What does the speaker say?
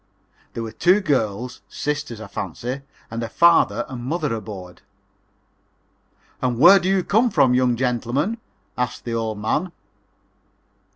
There were two girls, sisters, I fancy, and a father and mother aboard. "And where do you come from, young gentlemen?" asked the old man.